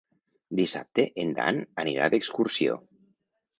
Dissabte en Dan anirà d'excursió.